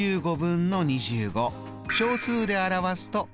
小数で表すと０．２。